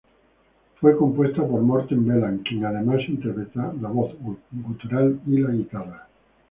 Fue compuesta por Morten Veland, quien además interpreta la voz gutural y la guitarra.